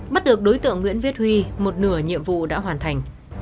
bắt được đối tượng nguyễn viết huy một nửa nhiệm vụ đã hoàn thành